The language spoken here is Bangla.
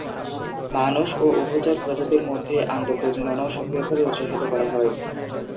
মানুষ ও উভচর প্রজাতির মধ্যে আন্তঃপ্রজননও সক্রিয়ভাবে উৎসাহিত করা হয়।